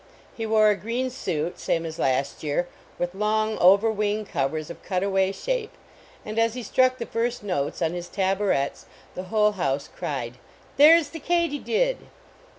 He wore a green suit, same as last year, with long over wing covers, of cut away shape, and as he struck the first notes on his taborets, the whole house cried, " There s the katydid!"